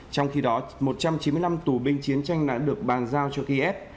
trong khi đó một trăm chín mươi năm tù binh chiến tranh đã được bàn giao cho kiev